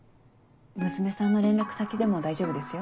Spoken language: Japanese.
娘さんの連絡先でも大丈夫ですよ。